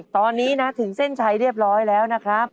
ตอนนี้นะถึงเส้นชัยเรียบร้อยแล้วนะครับ